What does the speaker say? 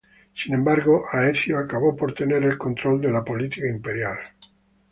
Sin embargo, Aecio acabó por tener el control de la política imperial.